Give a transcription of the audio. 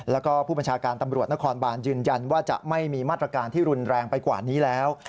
แล้วก็ผู้บัญชาการตำรวจนครบานยืนยันว่าจะไม่มีมาตรการที่รุนแรงไปกว่านี้แล้ว